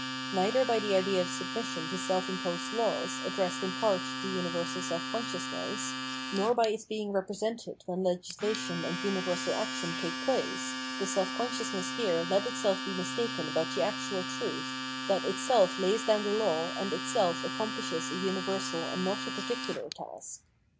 Neither by the idea of submission to self imposed laws, addressed in part to universal self consciousness, nor by its being represented when legislation and universal action take place, does self consciousness here let itself be mistaken about the actual truth, that itself lays down the law and itself accomplishes a universal and not a particular task.